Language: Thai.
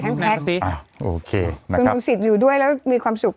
ทั้งแพลกอ่าโอเคนะครับคุณสิทธิ์อยู่ด้วยแล้วมีความสุข